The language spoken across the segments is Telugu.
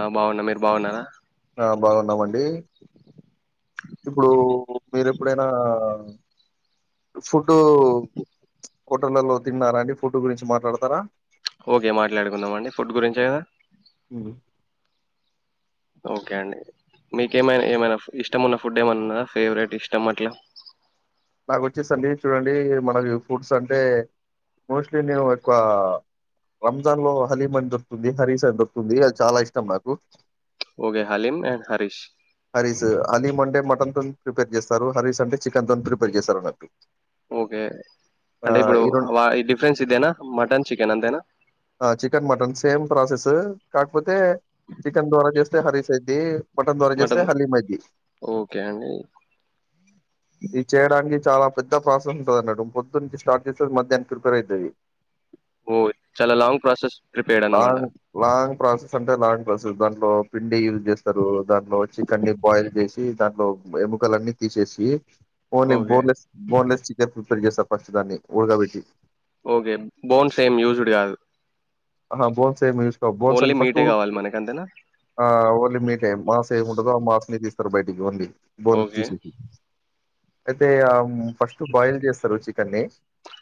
ఆ బాగున్నా మీరు బాగున్నారా ఆ బాగుంద మం అంటే ఇప్పుడు మీరు ఎప్పుడైనా ఫుడ్ ఉహు కోటలలో తిన్నారా అండి ఫుడ్ గురించి మాట్లాడతారా ఓకే మాట్లాడుకుందాం అండి ఫుడ్ గురించే కదా ఓకే అండి, మీక ఏమైనా ఏమైనా ఇష్టం ఉన్న ఫుడ్ ఏమైన్నా ఉన్నా ఫేవరెట్ ఇష్టం అట్ల నాకు వచ్చేసి అండి చూడండి మనది ఫుడ్స్ అంటే, మోస్ట్లీ నేను ఒక్క రంజాన్ లో హలీమన్ దొరుకుతుంది హరీసన్ దొరుకుతుంది, అది చాలా ఇష్టం నాకు ఓగే హలీం అండ్ హరీష్ హరీస్ అలీం అంటే మటన్ తో ప్రిపేర్ చేస్తారు, హరీస్ అంటే చికెన్ తో ప్రిపేర్ చేస్తారు అన్నట్టు ఓకే ఆ అంటే ఇప్పుడు ఈ రెండు డిఫరెన్స్ ఇదేనా మటన్ చికెన్ అంతేనా ఆ చికెన్, మటన్ సేమ్ ప్రాసెస్ కాకపోతే చికెన్ ద్వారా చేస్తే హరీస్ అయింది మటన్ హలిమది ఓకే అండి ఇది చేయాడానికి చాలా పెద్ద ప్రాసెస్ ఉంటంది అన్నడు పొద్దుంచి స్టార్ట్ చేసేది మధ్యాహ్నికి ప్రిపేర్ అవుతది ఓ చాలా లాంగ్ ప్రాసెస్ ప్రిపేర్డ్ అన్నమాట లాంగ్ లాంగ్ ప్రాసెస్ అంటే లాంగ్ క్లాస్స్ దాట్లో పిండి యూజ్ చేస్తారు దానిలో వచ్చి గే బాయిల్ చేసి దాంట్లో ఎముకలన్నీ తీసేసి ఓకే బోన్లేస్ బోన్లేస్ చికెన్ చేస ఫిస్ట్ దాన్ని ఉడకపెట్టి ఓకే బౌన్సేమ్ యూస్డ్ కాదు ఆహ బోన్సేమీ బోన్స్ ఓన్లీ అని ఫస్ట్ మీటే కావాలి మనకి అంతేనా అ ఓన్లీ మీ టై మాస ఏమి ఉంటదుో ఆ మాస్ ని తీ బయటికి ఉంది బౌల్ ఓకే తీసేటి అయితే ఫస్ట్ బాయిల్ చేస్తారు చికెన్ని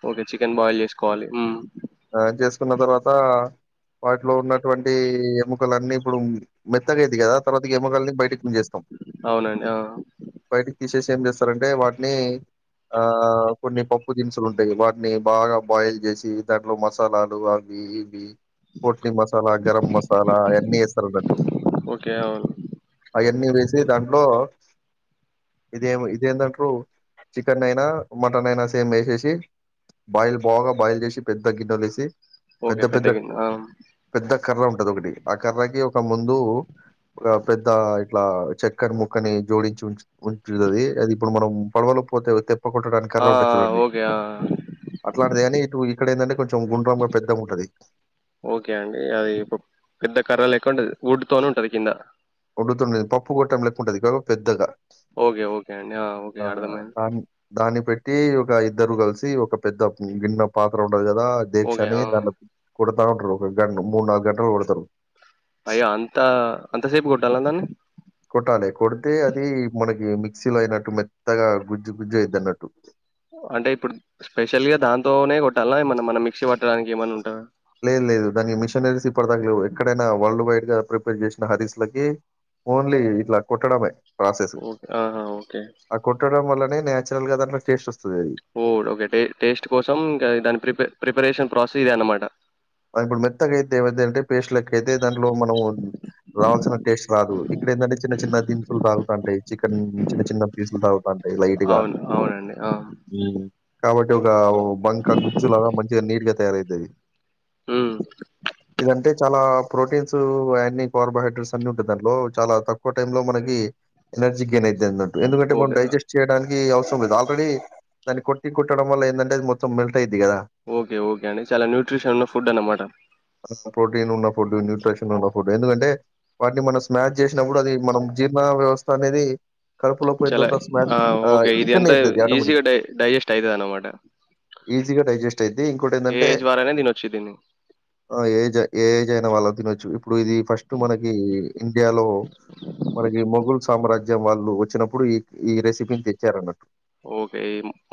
ఓకే చికెన్ బాయిల్ చేసుకోవాలి మ్ తరువాత వాటిలో ఉన్నటువంటి ఎముకలన్నీ ఇప్పుడు మెత్తగైది కదా తర్వాత ఎముకలని బయటికు చేేస్తాం అవునండి ఆ బయటికి తీసేసి ఏం చేస్తారంటే వాటిని ఆ కొన్ని పప్పు దినుసులు ఉంటాయి వాటిని బాగా బాయిల్ చేసి దాంట్లో మసాలాలు అవి ఎపి పోట్నీ మసాలా గరం మసాలా అవన్నీ వేస్తారున్నట్టు ఓకే అవును అవన్నీ వేసి దాట్ [unintelligible] ఇదేమి ఇదేంటారు చికెన్ అయినా మటన్ అయినా సేమ్ వేసేసి బాయిల్ బాగా బాయిల్ చేసి పెద్ద గిన్నెలు తీసి ఓకే పెద్ద గిన్న కర్ర ఉంటది ఒకటి ఆ కర్రకి ఒక ముందు ఒక పెద్ద ఇట్లా చెక్కని ముక్కని జోడించి ఉ ఉంటుది అది ఇప్పుడు మనం పడవలో పోతే కొట్టడానికి ఆ కర్ర ఉంటుంది ఆ, చూడండి ఓకే ఆ అట్లాంటిది కాని ఇటు ఇక్కడ ఏంటంటే కొంచె గుండ్రాగ పెద్ద ఉ ఉంటది ఓకే అండి అది ఇ పెద్ద కర్ర లెక్క ఉంటంది వుడ్ తోని ఉంటది కింద వుడ్ తోని పప్పు గట్ట ఉంటుది పెద్దగా ఓకే ఓకే అండి ఓకే ఆ అర్థం అయ్యింది దాన్ని దాన్ని పెట్టి ఒక ఇద్దరు కలిసి ఒక పెద్ద గిన్నె పాత్ర ఉంటది కదా ఓకే. డెయిషని ఆ! దాని కొడతా ఉంటారు ఒక గంట మూడు నాలుగు గంటలు కొడతారు అయ్యో అంత అంతసేపు కొట్టాల దాన్ని కొట్టాలి కొడితే అది [unintelligible] మెత్తగా గుజ్జ గుజ్జు అయితనట్టు అంటే ఇప్పుడు స్పెషల్ గా దాంతోనే కొట్టాలనా ఏమన మన మిక్సీ వాట్టడానికి ఏమన్నా ఉంటే లేదు లేదు దాని మిషన్ వేసి కోరడానికి లేవు ఎక్కడైన వరల్డ్ వైల్డ్ గా ప్రిపేర్ చేసిన ఆర్టిస్టులకే ఓన్లీ కుట్టటమే ప్రాసెస్ ఓకే. ఆహా! ఓకే. ఆ కోట్టడం వల్లనే నే [unintelligible] ఓ ఓకే టేస్ట్ కోసం ఇంకా దాని ప్రిప ప్రిపరేషన్ ప్రాసె [unintelligible] అనమాట ఇప్పుడు మెత్తగా అయితే ఏ అంటే పేస్ట్ లెక్క అతే దాంలో మనము రావాల్సిన టేస్ట్ రాదు ఇక్కడ ఏంటంటే చిన్న చిన్న దిన్సులు తాగుతాంటయి చికెన్ చిన్న చిన్న పీసులు తాగుతా [unintelligible] లైట్ గా అవును. అవునండి. ఆ! కాబట్టి ఒక బంక గుజ్జులాగా మంచిగా నీట్గా తయారైతది హ్మ్. ఇదంతే చాలా ప్రోటీన్స్ యాంటీ కార్బోహైడ్రేట్స్ అన్ని ఉంటాయి దాంలో చాలా తక్కువ టైమ్ లో మనకి ఎనర్జీ గెయిన్ అయ్యితది ఎందుకు కంటే మనం ఓకే. డైజెస్ట్ చేయడానికి అవసరం లేదు ఆల్రెడీ దన్ని కొట్టి కుట్టడం వల్ల ఏంటంటే మొత్తం [unintelligible] ఓకే ఓకే అండి చాలా న్యూట్రిషన్లు ఫుడ్ అన్న మాట నిన్ ఉన్న ఫుడ్ న్యూట్రిషన్ ఉన్న ఫుడ్ ఎందుకంటే వాటిని మనం స్మాష్ చేసినప్పుడు అది మనం జీర్ణ వ్యవస్థ అనేది కడుపులో పోయిన చాలా తర్వాత స్మాష్ ఆ ఆహ్, ఓకే ఇది ఇక్కడనే అంతా అయిద్దది ఆటోమేటిక్. ఈజీగా డై డైజెస్ట్ ఐతది అన్నమాట ఈజీగా ఏ ఏజ్ వారు ఐన తినచ్చు ఆ ఏజే ఏ జైనా వాళ్ళక్ తినచ్చు ఇప్పుడు ఇది ఫస్ట్ మనకి ఇండియాలో మనకి మొగుల్ సామ్రాజ్యం వాళ్ళు వచ్చినప్పుడు ఈ ఈ రెసిపీని తెచ్చారన్నట్టు. ఓకే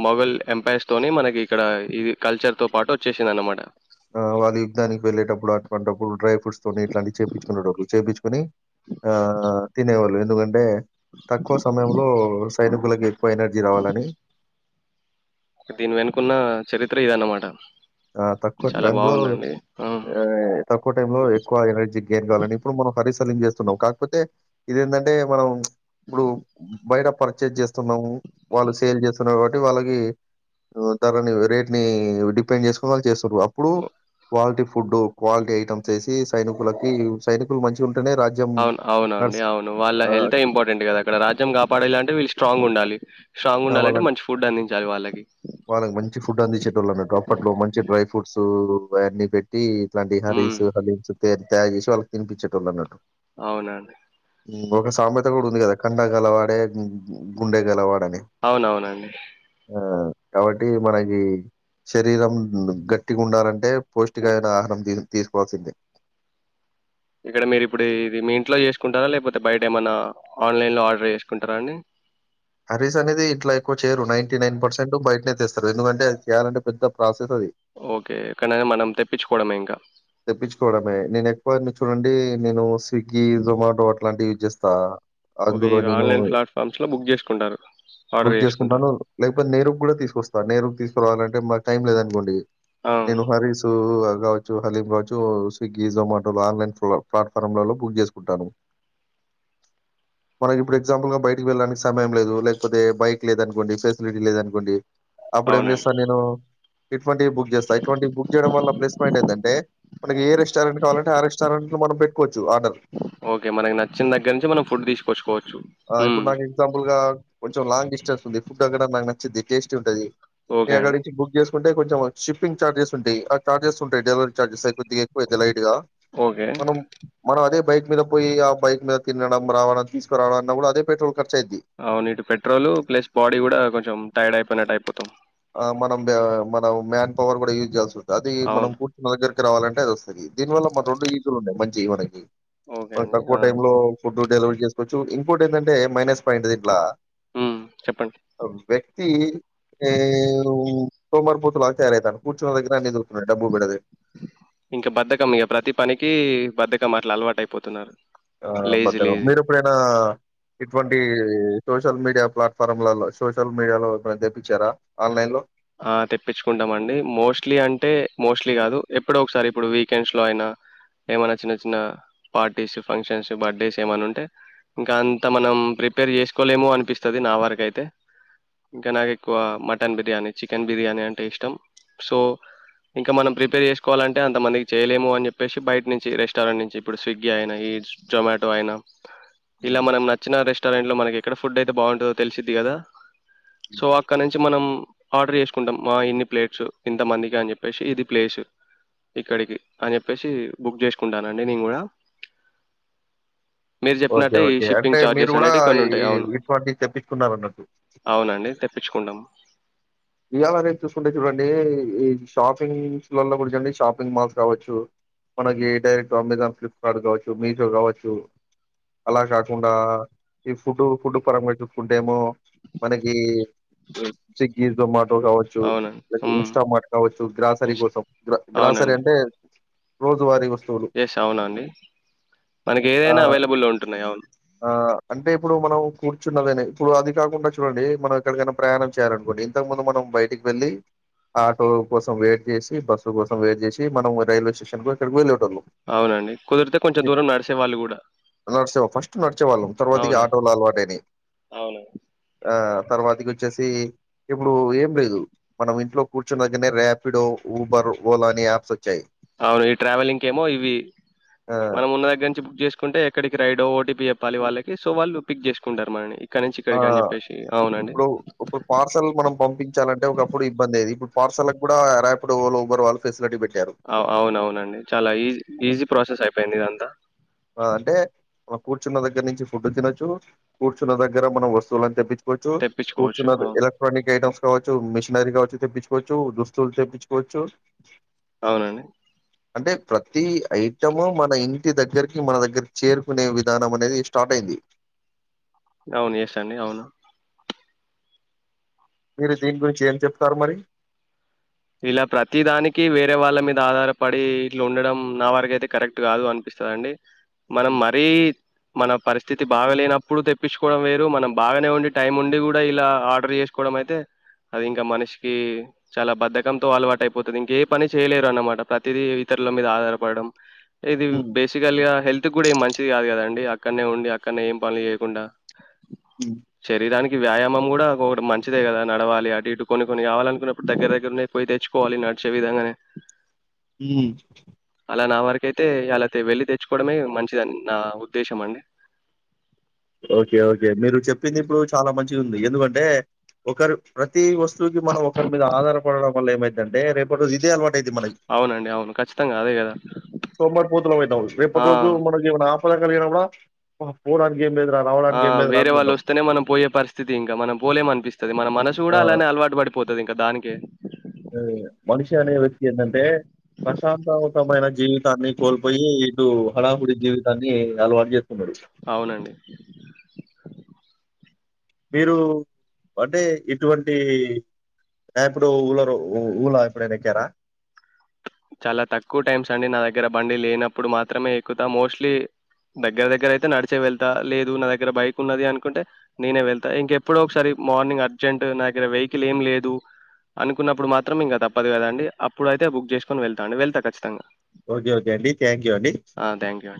మొఘల్ ఎంపైర్స్ తోని మనకి ఇక్కడ ఇది కల్చర్ తో పాటు వచ్చేసింది అన్నమాట ఆ వాళ్ళు యుద్దనికి వెళ్లేటప్పుడు అటువంటిప్పుడు డ్రై ఫ్రూట్స్ తోని ఇట్లాంటివి చేయించుకునేటోళ్లు చేపించుకోని ఆ తినేవాళ్ళు ఎందుకన్ బె తక్కువ సమయంలో సైనికులకు ఎక్కువ ఎనర్జీ రావాలని దీని వెనుకున్న చరిత్ర ఇది అన్నమాట ఆ తక్కువ టైం లో ఆ తక్కువ టైం లో ఎక్కువ ఎనర్జీ గెయిన్ కావాలని ఇప్పుడు మనం హరీష్ అంత లీన్ చేస్తున్నాం కాకపోతే ఇదేంటంటే మనం ఇప్పుడు బైటప్ పర్చేస్ చేస్తున్నాము వాళ్ళు సేల్ చేస్తున్నారు కాబట్టి వాళ్ళకి ధరని రేట్ ని డిపెండ్ చేసు వాల్ చేస్ రు అప్పుడు ఓ- క్వాలిటి ఫుడ్ క్వాలిటీ ఐటమ్స్ వేసి సైనికులకి సైనికులు మంచి గున్ అవును అవున అండి అవును వాళ్ళ ఆహ్, హెల్తే ఇంపార్టెంట్ కదా అక్కడ రాజ్యం కాపాడేలాన్ అంటే వీళ్ళు స్ట్రాంగ్ ఉండాలి స్ట్రాంగ్ ఉండాలంటే లవలన్ మంచి ఫుడ్ అందించాలి వాళ్ళకి వాళ్ళకి మంచి ఫుడ్ అందించేటోళ్లు అన్నట్టు అప్పట్లో మంచి డ్రై ఫ్రూట్స్ ఉ బయఅన్ని పెట్టి ఇట్లాంటి ఉమ్, హరీస్ హలీమ్స్ పేరు తయారు చేసి వాళ్ళకి తినిపించేటోళ్లు అన్నట్టు అవునండి ఉ ఒక సామెత కూడా ఉంది కదా కండ గలవాడే గుండె గలవాడని అవునవునండి ఆ కాబట్టి మనకి శరీరం గట్టిగా ఉండాలంటే పౌష్టికమైన ఆహరం తీ తీసుకోవాల్సిందే ఇక్కడ మీరు ఇప్పుడు ఇది మీ ఇంట్లో చేసుకుంటారా లేకపోతే బయట ఏమన్నా ఆన్లైన్లో ఆర్డర్ చేసుకుంటారా అండి హరీస్ అనేది ఇట్లా ఎక్కువ చేయరు నేనేటీ నైన్ పెర్చెంట్ బయటనే తెస్తారు ఎందుకంటే అది చేయాలంటే పెద్ద ప్రాసెస్ అది ఓకే ఎక్కనైనా మనం తెప్పించుకోవడమే ఇంకా ఓయ్ అన్ని చూడండి నేను స్విగ్గి జొమాటో అట్లాంటివి యూజ్ చేస్తా ఓకే అందులో ఈ నేను ఆన్లైన్ ప్లాట్ఫామ్స్లో బుక్ చేసుకుంటారు ఆర్డర్ బుక్ చేసుకుంటాను చేసుకుంటారు లేకపోతే నేరుగ్ కూడా తీసుకొస్తా వ నేరుకు తీసురావాలంటే మాక్ టైం లేదు అనుకోండి ఆ. నేను హరిసు అక్ రావచ్చు హాలీబాజు స్విగ్గీ జొమాటో ఆన్లైన్ ఫులో ప్లాట్ఫార్మ్లలో బుక్ చేసుకుంటారు మనకి ఇప్పుడు ఎగ్జాంపుల్ గా బయటకి వెళ్ళడానికి సమయం లేదు లేకపోతే బైక్ లేదనుకోండి ఫెసిలిటీ లేదనుకోండి అప్పుడు ఏం అవునండి చేస్తా నేను ఇటువంటి బుక్ చేస్తా ఇటువంటి బుక్ చేయడం వల ప్లస్ పాయింట్ ఎన్ మనకి ఏ రెస్టారెంట్ కావాలంటే ఆ రెస్టారెంట్ మనం పెట్టుకో ఓకే మనకి నచ్చిన దగ్గర నుంచి మనం ఫుడ్ తీసుకొచ్చుకోవచ్చు ఆహ్, ఇప్పుడు మ్ నాకు ఎగ్జాంపుల్‌గా కొంచెం లాంగ్ డిస్టెన్స్ ఉంది. ఫుడ్ అక్కడ నాకు నచ్చది టేస్టీ ఉంటాది ఓకే అండి గగాడించి బుక్గి చేస్ అంటే కొంచెం షిప్పింగ్ చార్జెస్ ఉంటాయి ఆ చార్జెస్ ఉంటాయీ డె చార్జె సైకుద్దిగాక్కువ లైట్ గా ఓకే మన మనం అదే బైక్ మీద పోయి ఆ బైక్ మీద తినడం, రావడం తీసుకురావడం అన్న కూడా అదే పెట్రోల్ ఖర్చయిద్ది. అవును ఇటు పెట్రోల్ ప్లస్ బాడీ కూడా కొంచెం టైర్డ్ అయిపోయినట్టు అయిపోతాం ఆ మనం మనం మ్యాన్ పవర్ కూడా యూజ్ చేస్ అది మనం అవును పూట్టనా దగ్గర రావాలంటే దీనివల్ల రెండు ఈజలు ఉన్నాయి మంచి జీవన కి ఓకే మ అండి తక్కువ ఆ! టైమ్ లో ఫుడ్ డెలివరీ చేసుకోచ్చు ఇంపుట్ ఏంటంటే మైనస్ పాయింట్ ఇట్లా హ్మ్ చెప్పండి అంబేక్ తీ ఏ నువు సోమారుపోతువా ఇంకా బద్దకంలే ఇంకా ప్రతి పనికి బద్దక కం అట్ల అలవాటు అయిపోతున్నారు ఆ లేజీ బద్దకం లేజీ మీరు ఎప్పుడైనా ఇటువంటి ఈ సోషల్ మీడియా ఫ్లాటఫార్మలలో సోషల్ మీడియాలో ఎప్పుడన్నా తెప్పించారా ఆన్లైన్లో ఆ తెప్పించుకుంటామండి మోస్ట్లీ అంటే మోస్ట్లీ కాదు ఎప్పుడో ఒకసారి ఇప్పుడు వీకెండ్స్ లో అయినా ఏమైనా చిన్న చిన్న పార్టీస్ ఫంక్షన్స్ బర్త్డేస్ ఏమైన్నా ఉంటే ఇంకా అంత మనం ప్రిపేర్ చేసుకోలేమో అనిపిస్తంది నా వరకు అయితే ఇంకా నాకు ఎక్కువ మటన్ బిర్యానీ చికెన్ బిర్యానీ అంటే ఇష్టం సో ఇంకా మనం ప్రిపేర్ చేసుకోవాలంటే అంతమందికి చేయలేము అని చెప్పేసి బయట నుంచి రెస్టారెంట్ నుంచి ఇప్పుడు స్విగ్గీ అయినా ఈజ్ జొమాటో అయినా హ్మ్. ఇలా మనం నచ్చిన రెస్ట్ రెస్టారెంట్ లో మనకి ఎక్కడ ఫుడ్ అయితే బాగుంటుందో తెలిసిది కదా సో అక్కడ నుంచి మనం ఆర్డర్ చేసుకుంటాం మా ఇన్ని ప్లేట్స్ ఇంతమందికి అని చెప్పేసి ఇది ప్లేసు ఇక్కడికి అని చెప్పేసి బుగ్ చేసుకుంటానండి నేను కూడా మీరు ఓకే చెప్పినట్టే ఈ ఓకే అంటే షిప్పింగ్ మీరు ఛార్జెస్ కూడా అనేటివి కొన్ని ఈ ఉంటాయి అవును ఇటువంటి తెపించికున్నారానట్టు కుండమ్ ఇయాల రేపు చూసుకుంటే చూడండి ఈ షాపింగ్స్ లలో గురించండి షాపింగ్ మాల్స్ కావచ్చు మనకి డైరెక్ట్ అమజాన్ ఫ్లిప్కార్ట్ కావచ్చు మీషో కావచ్చు అలా కాకుండా ఈ ఫుడ్ ఫుడ్ పరంగా చూసుకుంటే ఏమో మనకి స్విగ్ ఇస్ దా మార్ పోగ్ కావచ్చు అవునండి ఉమ్, ఇన్స్టామార్ట్ కావచ్చు గ్రాసరీ ఇన్స్- కోసం గ్రాసరీ అవునండి అంటే రోజువారీ వస్తు ఎస్ అవునండి మనకి ఆ ఏదైనా అవైలబుల్లో ఉంటున్నాయి అవును. కూర్చున్నాదే అనే ఇప్పుడు అది కాకుండా చూడండి మనం ఎక్కడికైనా ప్రయాణం చేయలనుకోండి. ఇంతకు ముందు మనం బయటికి వెళ్లి ఆటో కోసం వెయిట్ చేసి బస్సు కోసం వెయిట్ చేసి మనం రైల్వే స్టేషనకు ఎక్కడికో వెల్లె టోల్లు అవునండి కుదిరితే కొంచెం దూరం నడిసే వాళ్ళు కూడా హు నడుసేవ్ ఫస్ట్ నడిచేవాళ్ళం తర్వాత అవునండి ఆటోలు అలవాట్ అయినాయి అవును ఆ తర్వాతకీ వచ్చేసి ఇప్పుడు ఏం లేదు మనం ఇంట్లో కూర్చున్నగానే రాపిడో ఉబర్ ఓలా అని యాప్స్ వచ్చాయి అవును ఈ ట్రావెలింగ్కి ఏమో ఇవి ఆ మనం ఉన్న దగ్గర నుంచి బుక్ చేసు కుంటే ఎక్కడికి రైడో ఓటీపీ చెప్పాలి వాళ్ళకి సో వాళ్ళు పిక్ చేసుకుంటారు మనని ఇక్కడ నుంచి ఆ ఇక్కడికి అని చెప్పేసి అవునండి ఇప్పుడు ఒక పార్సల్ మనం పంపించాలంటే ఒకప్పుడు ఇబ్బందైయేది ఇప్పుడు పార్సల్లకు కూడా రాపిడో వాళ్ళు ఉబర్ వాల్లు ఫెసిలిటీ పెట్ ఆ అవునవునండి చాలా ఈజీ ఈజీ ప్రాసెస్ అయిపోయింది ఇదంతా ఆ అంటే ఆ కూర్చున్న దగ్గర నుంచి ఫుడ్ తినొచ్చు కూర్చున్న దగ్గర మనం వస్తువులన్ని తెప్పించ్ కొచ్చు తెప్పించుకోవచ్చు కూర్చున్నది అవును ఎలక్ట్రానిక్ ఐటమ్స్ కావచ్చు మిషి మ్యాగీ కావచ్చు తెప్పించుకోవచ్చు దుస్తువులు తెప్పించుకోవచ్చు. అవునండి. అంటే ప్రతి ఐటము మన ఇంటి దగ్గర్కే కి మన దగ్గర చేరుకునే విధానం అనేది స్టాప్ అయింది. అవును ఎస్ అండి అవును. మీరు దీని గురించి ఏం చెప్తారు మరీ ఇలా ప్రతి దానికి వేరే వాళ్ళ మీద ఆధారపడి ఇట్లా ఉండడం నా వారికయితే కరెక్ట్ కాదు అనిపిస్తదీ అండి. మనం మరీ మన పరిస్థితి బాగాలేనప్పుడు తెప్పించుకోవడం వేరు మనం బాగానే ఉండి టైం ఉండి కూడా ఇలా ఆర్డర్ చేసుకోవడం అయితే అది ఇంకా మనిషికి చాలా బద్దకం. కంతో అలవాటు అయిపోతుంది ఇంక ఏ పని చేయలేరు అన్నమాట ప్రతిదీ ఇతరుల మీద ఆధారపడడం. ఇది ఉమ్, బేసికల్ గా హెల్త్ కూడా మంచి ది కాదు కదండి అక్కడనే ఉండి అక్కడనే ఏం పనులు చేయకుండా ఉమ్, శరిరానికి వ్యాయామం కూడా ఒకటి మంచిదే కదా నడవాలి అటు ఇటు కొన్ని కొన్ని కావాలనుకున్నప్పుడు దగ్గర దగ్గరనే పోయి తెచ్చుకోవాలి నడిచే విధంగానే ఊ కైతే అలా అయితే వెళ్ళి తెచ్చుకోవడమే మంచిదని నా ఉద్దేశం అండి. ఓకే ఓకే మీరు చెప్పింది ఇప్పుడు చాలా మంచిగుంది ఎందుకంటే ఒకరు ప్రతి వస్తువుకి మనం ఒకరి మీద ఆధారపడడం వల్ల ఏమైతుంటే రేపటి రోజు అదే అలవాటయిద్ధి మనకి అవునండి అవును ఖచ్చితంగా అదే కదా సోమరిపోతులం అయితం ఆ! రేపటి రోజు మనకి ఏమైనా ఆప [unintelligible] ఏం లేదు ఆ! రావడానికి ఏం వేరే లేదురానుకుంటాం వాళ్ళొస్తేనే మనం పోయే పరిస్థితి ఇంకా. మనం పోలేమనిపిస్తది. మన మనసు ఆ గూడా అలానే అలవాటు పడిపోతది ఇంకా దానికే. ఆ మనిషి అనే వ్యక్తి ఏంటంటే ప్రశాంతవంతమైన జీవితాన్ని కోల్పోయి ఇప్పుడు హడావుడి జీవితాన్ని అలవాటు చేసుకో అవును అండి మీరు అంటే ఇటువంటి ఇప్పుడు ఊళరు ఊళ ఎప్పుడైనా ఎక్కారా చాలా తక్కువ టైమ్స్ అండి నా దగ్గర బండి లేనప్పుడు మాత్రమే ఎక్కుతా మోస్ట్లీ దగ్గర దగ్గర అయితే నడిచే వెళ్తా లేదు నా దగ్గర బైక్ ఉన్నది అనుకుంటే నేనే వెళ్తా ఇంకెప్పుడో ఒకసారి మార్నింగ్ అర్జెంట్ నా దగ్గర వెహికల్ ఏం లేదు అనుకున్నప్పుడు మాత్రం ఇంకా తప్పదు కదా అండి అప్పుడు అయితే బుక్ చేసుకు కని వెళ్తాడి వెళ్త ఖచ్చితంగా ఓకే ఓకే అండి థ్యాంక్ యూ అండి ఆ! థ్యాంక్ యూ అండి.